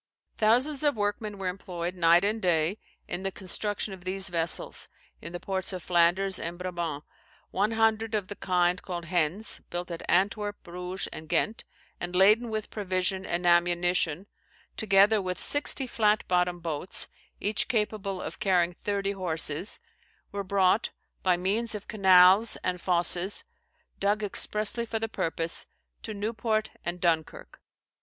Thousands of workmen were employed, night and day, in the construction of these vessels, in the ports of Flanders and Brabant. One hundred of the kind called hendes, built at Antwerp, Bruges, and Ghent, and laden with provision and ammunition, together with sixty flat bottomed boats, each capable of carrying thirty horses, were brought, by means of canals and fosses, dug expressly for the purpose, to Nieuport and Dunkirk.